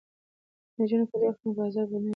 که نجونې کالي واخلي نو بازار به نه وي سوړ.